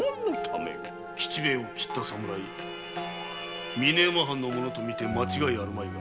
吉兵衛を斬った侍峰山藩の者とみて間違いないが。